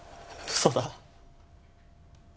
嘘だ！